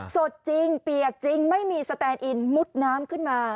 สดจริงเปียกจริงไม่มีสแตนอินมุดน้ำขึ้นมา